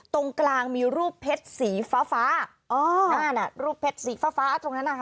ตรงกลางมีรูปเพชรสีฟ้านั่นรูปเพชรสีฟ้าตรงนั้น